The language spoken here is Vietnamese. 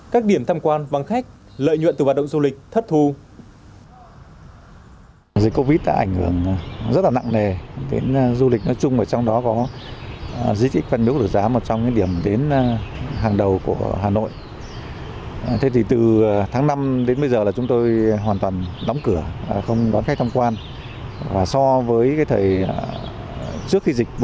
các điểm tham quan vàng khách lợi nhuận từ hoạt động du lịch thất thù